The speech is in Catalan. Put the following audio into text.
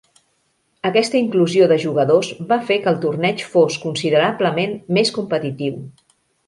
Aquesta inclusió de jugadors va fer que el torneig fos considerablement més competitiu.